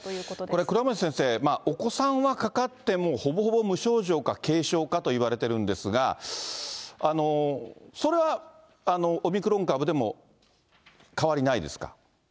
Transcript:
これ、倉持先生、お子さんはかかってもほぼほぼ無症状か軽症かといわれてるんですが、それはオミクロン株でも変わりないですか。